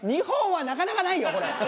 ２本はなかなかないよこれ。